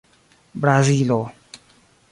brazilo